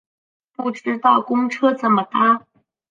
不知道公车怎么搭